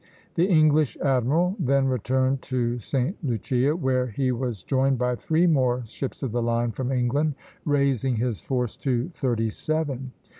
The English admiral then returned to Sta. Lucia, where he was joined by three more ships of the line from England, raising his force to thirty seven.